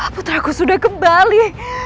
putraku sudah kembali